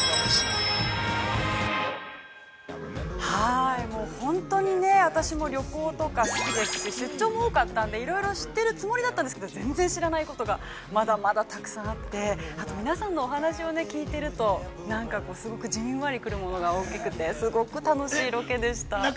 ◆もう本当にね、私も旅行とか好きですし、出張も多かったんで、いろいろ知っているつもりだったんですけど全然知らないことがまだまだたくさんあって、あと皆さんのお話を聞いていると、なんかすごくじんわりくるものが大きくて、すごく楽しいロケでした。